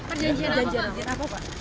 perjanjian apa pak